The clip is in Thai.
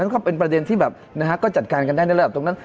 ก็เป็นประเด็นที่แบบนะฮะก็จัดการกันได้ในระดับตรงนั้น